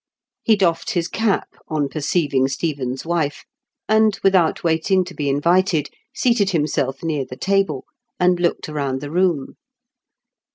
He doflfed his cap on perceiving Stephen's wife, and, without waiting to be invited, seated himself near the table, and looked around the room.